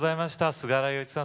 菅原洋一さん